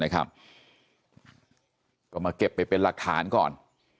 ก็มาเก็บไปเป็นหลักฐานก่อน